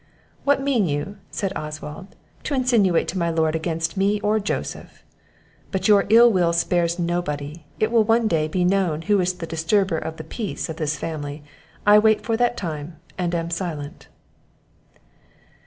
"What mean you," said Oswald, "to insinuate to my lord against me or Joseph? But your ill will spares nobody. It will one day be known who is the disturber of the peace of this family; I wait for that time, and am silent."